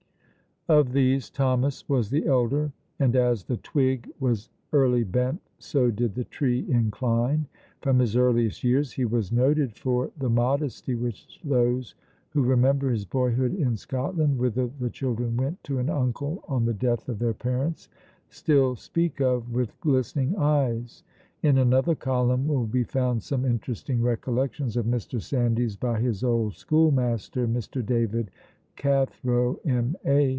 Of these Thomas was the elder, and as the twig was early bent so did the tree incline. From his earliest years he was noted for the modesty which those who remember his boyhood in Scotland (whither the children went to an uncle on the death of their parents) still speak of with glistening eyes. In another column will be found some interesting recollections of Mr. Sandys by his old schoolmaster, Mr. David Cathro, M.A.